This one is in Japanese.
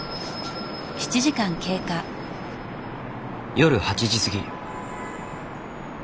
夜８時過ぎ。